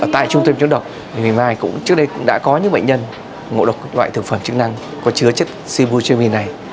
tại trung tâm chất độc trước đây cũng đã có những bệnh nhân ngộ độc các loại thực phẩm chức năng có chứa chất sibutramine này